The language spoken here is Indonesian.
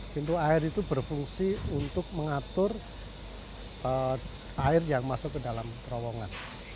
pintu air itu berfungsi untuk mengatur air yang masuk ke dalam terowongan